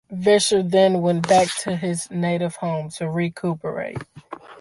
Vischer then went back to his native home to recuperate.